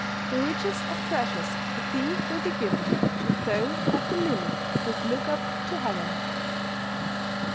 The richest of treasures to thee will be given, If thou, like the lily, wilt look up to heaven.